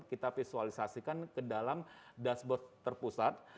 kita visualisasikan ke dalam dashboard terpusat